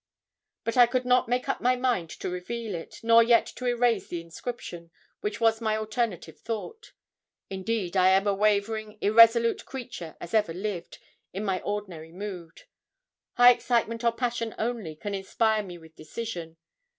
But I could not make up my mind to reveal it; nor yet to erase the inscription, which was my alternative thought. Indeed I am a wavering, irresolute creature as ever lived, in my ordinary mood. High excitement or passion only can inspire me with decision.